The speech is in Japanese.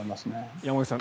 山口さん